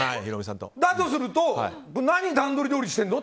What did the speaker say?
だとすると何段取りどおりしてるの？